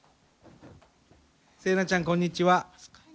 セイナちゃんこんにちは。